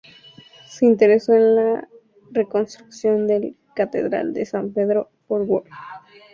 Se interesó en la reconstrucción de la catedral de San Pablo por Wren.